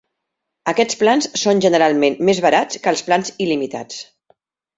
Aquests plans són generalment més barats que els plans il·limitats.